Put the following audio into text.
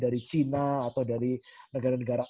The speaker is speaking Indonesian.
dari china atau dari negara negara